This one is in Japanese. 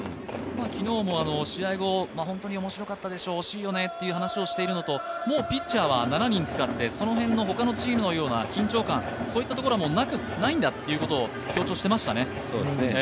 昨日も試合後、本当に面白かったでしょう、惜しいよねという話と、もうピッチャーは７人使ってその辺のほかのチームのような緊張かといったところはないんだということを強調していましたね。